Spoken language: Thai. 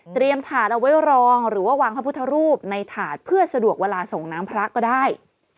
ถาดเอาไว้รองหรือว่าวางพระพุทธรูปในถาดเพื่อสะดวกเวลาส่งน้ำพระก็ได้